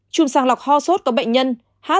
chùm sàng lọc ho sốt có bệnh nhân